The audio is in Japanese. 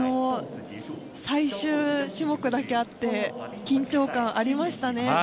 最終種目だけあって緊張感ありましたね。